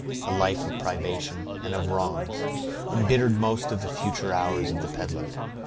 A life of privation, and of wrongs, embittered most of the future hours of the peddler.